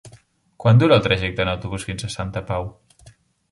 Quant dura el trajecte en autobús fins a Santa Pau?